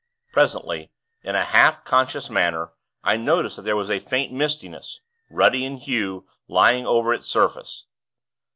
Presently, in a half conscious manner, I noticed that there was a faint mistiness, ruddy in hue, lying over its surface.